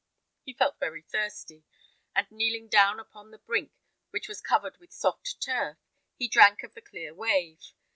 He felt very thirsty, and kneeling down upon the brink, which was covered with soft turf, he drank of the clear wave.